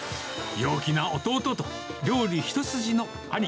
陽気な弟と料理一筋の兄。